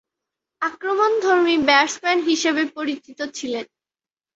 আক্রমণধর্মী batsman হিসেবে পরিচিত ছিলেন।